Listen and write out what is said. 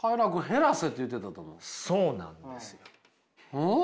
うん？